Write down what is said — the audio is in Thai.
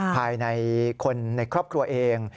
ภายในคนในครอบครัวเอง